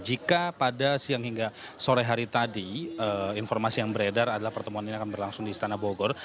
jika pada siang hingga sore hari tadi informasi yang beredar adalah pertemuan ini akan berlangsung di istana bogor